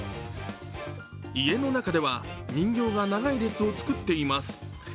家の中では人形が長い列を作っています。